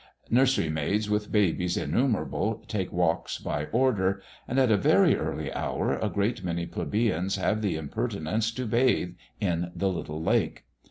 Nursery maids with babies innumerable take walks by order; and at a very early hour a great many plebeians have the impertinence to bathe in the little lake.